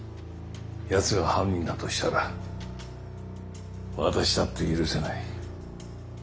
やつが犯人だとしたら私だって許せない。